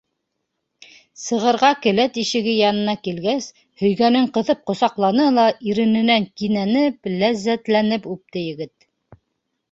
Сығырға келәт ишеге янына килгәс, һөйгәнен ҡыҫып ҡосаҡланы ла ирененән кинәнеп, ләззәтләнеп үпте егет.